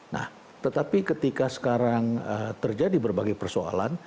nah tetapi ketika sekarang terjadi berbagai persoalan